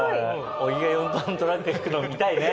小木が４トントラック引くの見たいね。